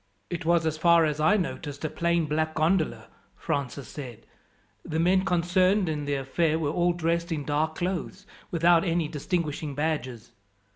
"It was, as far as I noticed, a plain black gondola," Francis said. "The men concerned in the affair were all dressed in dark clothes, without any distinguishing badges."